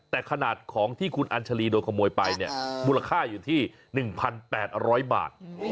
แต่ขนาดของที่คุณอัญชาลีโดนขโมยไปเนี่ยมูลค่าอยู่ที่๑๘๐๐บาท